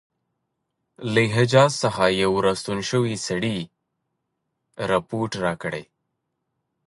له حجاز څخه یو را ستون شوي سړي رپوټ راکړی.